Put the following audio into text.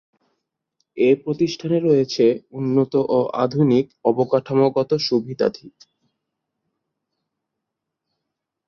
এ প্রতিষ্ঠানে রয়েছে উন্নত ও আধুনিক অবকাঠামোগত সুবিধাদি।